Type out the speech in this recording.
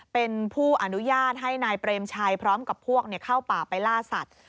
เป็นผู้อนุญาตให้นายเปรมชัยพร้อมกับพวกเข้าป่าไปล่าสัตว์